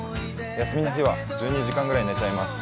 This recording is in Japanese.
休みの日は１２時間ぐらい寝ちゃいます。